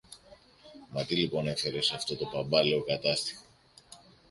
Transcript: Μα τι λοιπόν έφερες αυτό το παμπάλαιο Κατάστιχο